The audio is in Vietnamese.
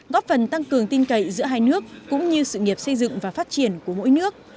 góp phần tăng cường tin cậy giữa hai nước cũng như sự nghiệp xây dựng và phát triển của mỗi nước